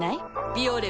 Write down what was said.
「ビオレ」